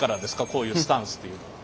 こういうスタンスっていうのは。